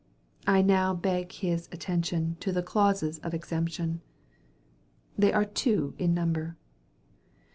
I now beg his attention to the clauses of exemption. They are two in number.